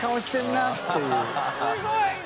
すごいな！